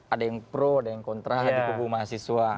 ada yang pro ada yang kontra ada yang hubung mahasiswa